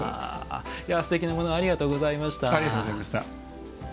すてきなものありがとうございました。